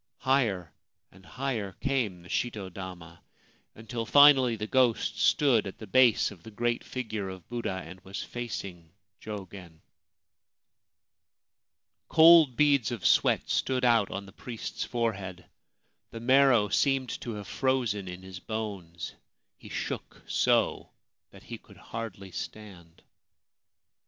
Higher and higher came the shito dama, until finally 41 6 Ancient Tales and Folklore of Japan the ghost stood at the base of the great figure of Buddha, and was facing Jogen. Cold beads of sweat stood out on the priest's fore head ; the marrow seemed to have frozen in his bones ; he shook so that he could hardly stand.